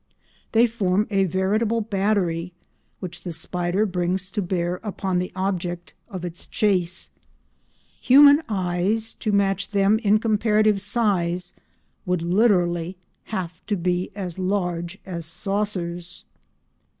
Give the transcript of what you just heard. They form a veritable battery which the spider brings to bear upon the object of its chase. Human eyes, to match them in comparative size, would literally have to be as large as saucers!